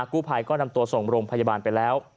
กู้ภัยก็นำตัวส่งโรงพยาบาลไปแล้ว